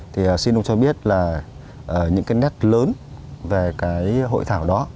thì xin ông cho biết những nét lớn về hội thảo đó